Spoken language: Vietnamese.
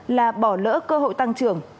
là bỏ lỡ cơ hội tăng trưởng